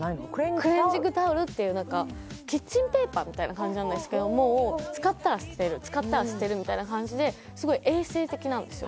クレンジングタオルっていう何かキッチンペーパーみたいな感じなんですけどもう使ったら捨てる使ったら捨てるみたいな感じですごい衛生的なんですよ